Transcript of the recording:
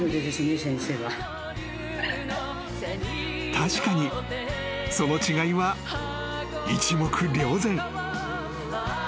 ［確かにその違いは一目瞭然］